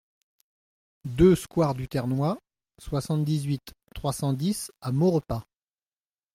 deux square du Ternois, soixante-dix-huit, trois cent dix à Maurepas